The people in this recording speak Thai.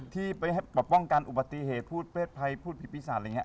ที่ไปป้องกันอุบัติเหตุพูดเพศภัยพูดผิดปีศาจอะไรอย่างนี้